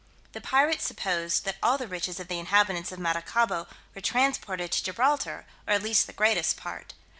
The pirates supposed that all the riches of the inhabitants of Maracaibo were transported to Gibraltar, or at least the greatest part.